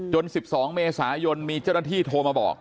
๑๒เมษายนมีเจ้าหน้าที่โทรมาบอก